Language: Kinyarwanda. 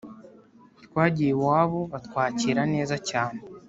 twagiye iwabo batwakira neza cyane